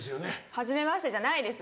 はじめましてじゃないです！